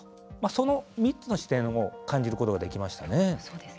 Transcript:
その３つの視点を感じることができましたね。